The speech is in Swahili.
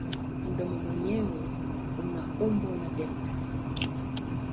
Mdomo wenyewe una umbo la delta.